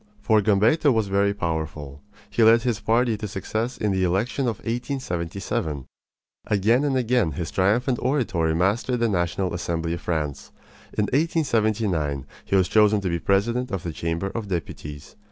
For Gambetta was very powerful. He led his party to success in the election of 1877. Again and again his triumphant oratory mastered the National Assembly of France. In 1879 he was chosen to be president of the Chamber of Deputies.